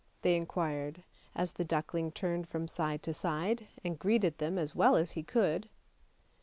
" they inquired, as the duckling turned from side to side and greeted them as well as he could.